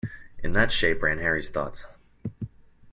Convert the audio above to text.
In that shape ran Harry's thoughts.